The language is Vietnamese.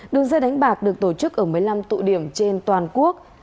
đường dây đánh bạc được tổ chức ở một mươi năm tụ điểm trên toàn quốc